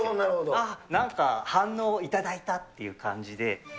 あっ、なんか反応を頂いたっていう感じで。